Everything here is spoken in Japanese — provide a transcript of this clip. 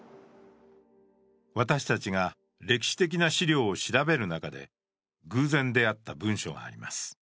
私たちが歴史的な資料を調べる中で偶然出会った文書があります。